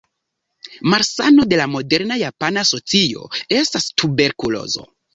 Malsano de moderna japana socio estas tuberkulozo.